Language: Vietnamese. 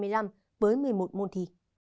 với một mươi một môn thị